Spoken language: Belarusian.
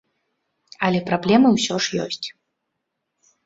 Але праблемы ўсё ж ёсць.